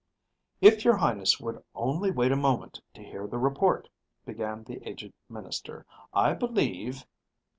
"... if your Highness would only wait a moment to hear the report," began the aged minister, "I believe...."